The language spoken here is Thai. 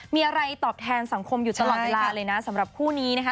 มีอะไรตอบแทนสังคมอยู่ตลอดเวลาเลยนะสำหรับคู่นี้นะคะ